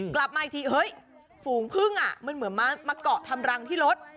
กลับมาอีกทีเฮ้ยฝูงพึ่งมันเหมือนมาเกาะทำรังที่รถ